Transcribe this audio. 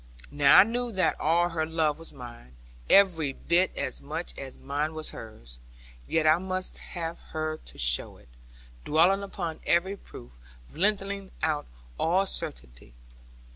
Now I knew that all her love was mine, every bit as much as mine was hers; yet I must have her to show it, dwelling upon every proof, lengthening out all certainty.